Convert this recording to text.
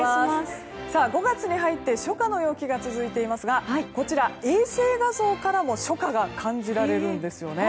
５月に入って初夏の陽気が続いていますが衛星画像からも初夏が感じられるんですね。